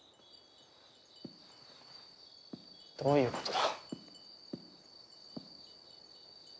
どういうことだ？